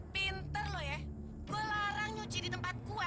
pinter loh ya gue larang nyuci di tempat gue